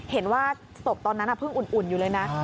เห็นว่าสบตอนนั้นเบื้องอุ่นอยู่เลยนะคะ